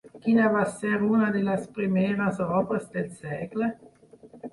Quina va ser una de les primeres obres del segle?